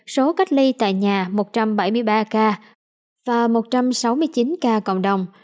số cách ly tại nhà một trăm bảy mươi ba ca và một trăm sáu mươi chín ca còn đồng